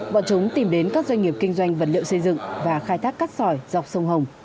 bọn chúng tìm đến các doanh nghiệp kinh doanh vật liệu xây dựng và khai thác cát sỏi dọc sông hồng